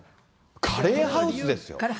カレーハウスですよ。